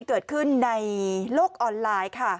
เกิดขึ้นในโลกออนไลน์ค่ะ